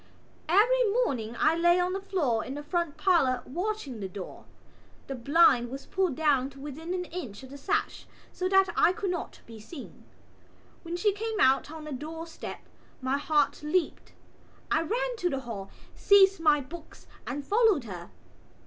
Every morning I lay on the floor in the front parlour watching her door. The blind was pulled down to within an inch of the sash so that I could not be seen. When she came out on the doorstep my heart leaped. I ran to the hall, seized my books and followed her.